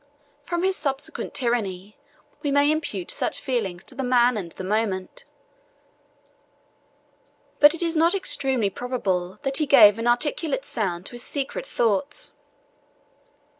From his subsequent tyranny we may impute such feelings to the man and the moment; but it is not extremely probable that he gave an articulate sound to his secret thoughts.